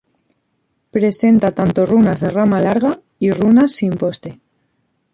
Presenta tanto runas de rama larga y runas sin poste.